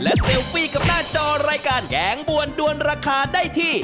เซลฟี่กับหน้าจอรายการแกงบวนด้วนราคาได้ที่